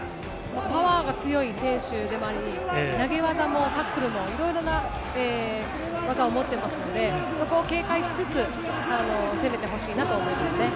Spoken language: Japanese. パワーが強い選手でもあり、投げ技も、タックルも、いろいろな技を持ってますので、そこを警戒しつつ、攻めてほしいなと思いますね。